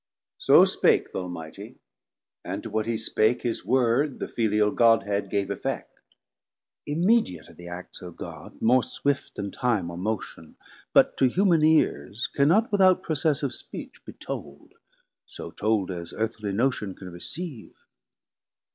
So spake th' Almightie, and to what he spake His Word, the Filial Godhead, gave effect. Immediate are the Acts of God, more swift Then time or motion, but to human ears Cannot without process of speech be told, So told as earthly notion can receave.